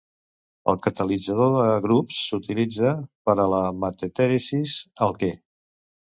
El catalitzador de Grubbs s'utilitza per a la metateresis alquè.